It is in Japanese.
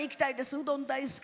うどん大好き。